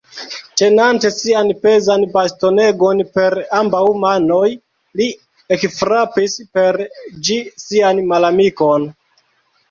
Tenante sian pezan bastonegon per ambaŭ manoj, li ekfrapis per ĝi sian malamikon.